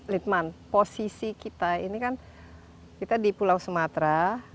litman posisi kita ini kan kita di pulau sumatera